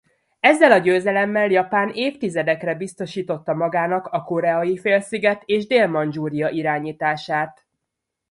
Ezzel a győzelemmel Japán évtizedekre biztosította magának a Koreai-félsziget és Dél-Mandzsúria irányítását.